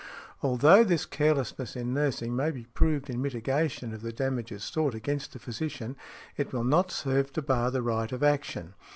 Although this carelessness in nursing may be proved in mitigation of the damages sought against the physician, it will not serve to bar the right of action .